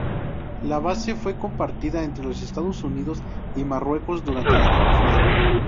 La base fue compartida entre los Estados Unidos y Marruecos durante la Guerra Fría.